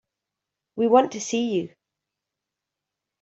We want to see you.